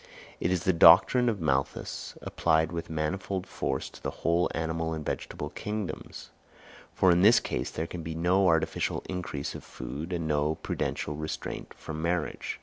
It is the doctrine of Malthus applied with manifold force to the whole animal and vegetable kingdoms; for in this case there can be no artificial increase of food, and no prudential restraint from marriage.